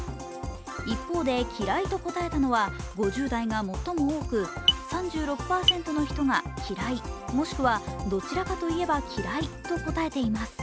一方で嫌いと答えたのは５０代が最も多く３６％の人が嫌いもしくはどちらかといえば嫌いと答えています。